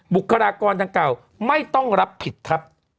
บุคลากรดังเก่าไม่ต้องรับผิดครับ